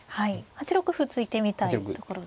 ８六歩突いてみたいところですか。